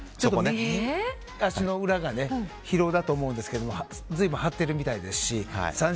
右足の裏が疲労だと思うんですがずいぶん張ってるみたいですし。